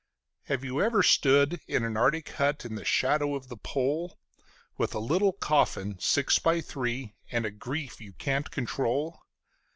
Have you ever stood in an Arctic hut in the shadow of the Pole, With a little coffin six by three and a grief you can't control?